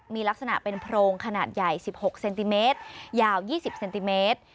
มีลักษณะเป็นโพรงขนาดใหญ่๑๖เซนติเมตรยาว๒๐เซนติเมตร